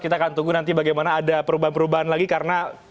kita akan tunggu nanti bagaimana ada perubahan perubahan lagi karena